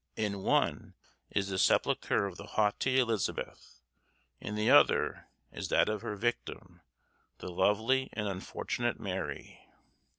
In one is the sepulchre of the haughty Elizabeth; in the other is that of her victim, the lovely and unfortunate Mary.